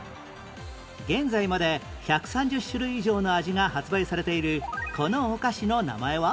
現在まで１３０種類以上の味が発売されているこのお菓子の名前は？